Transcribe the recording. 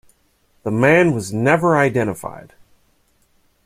The man was never identified.